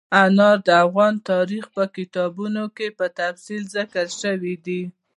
انار د افغان تاریخ په کتابونو کې په تفصیل ذکر شوي دي.